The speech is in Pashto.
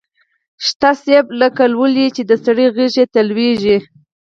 شته مني لکه لولۍ چي د سړي غیږي ته لویږي